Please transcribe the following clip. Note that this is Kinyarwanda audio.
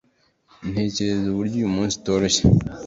ntekereza uburyo uyu munsi utoroshye,